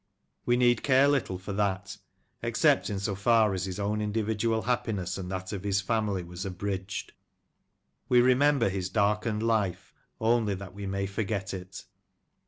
We need care little for that, except in so far as his own indi vidual happiness and that of his. family was abridged. We remember his darkened life only that we may forget it.